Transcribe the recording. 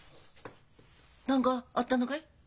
何かあったのかい？